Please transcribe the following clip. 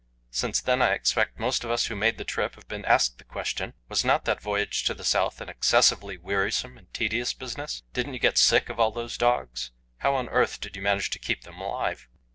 Since then I expect most of us who made the trip have been asked the question Was not that voyage to the South an excessively wearisome and tedious business? Didn't you get sick of all those dogs? How on earth did you manage to keep them alive?